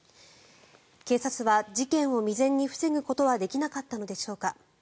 警察は事件を未然に防ぐことはできなかったのでしょうか。